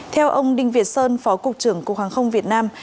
theo ông đinh việt sơn phó cục trưởng cục hàng không việt nam